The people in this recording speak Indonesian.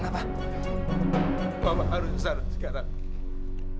mama harus ke sana sekarang